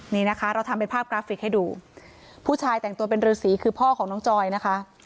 นี่นะคะเราทำเป็นภาพกราฟิกให้ดูผู้ชายแต่งตัวเป็นรือสีคือพ่อของน้องจอยนะคะ